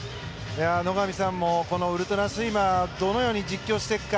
野上さんもウルトラスイマーをどのように実況していくか。